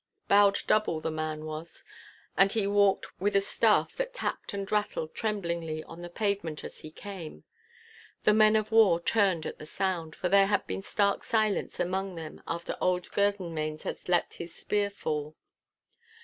Bowed double the man was, and he walked with a staff that tapped and rattled tremblingly on the pavement as he came. The men of war turned at the sound, for there had been stark silence among them after old Girvanmains had let his spear fall.